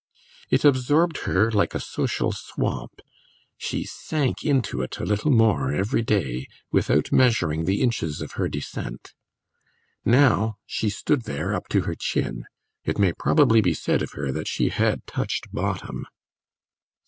It absorbed her like a social swamp; she sank into it a little more every day, without measuring the inches of her descent. Now she stood there up to her chin; it may probably be said of her that she had touched bottom.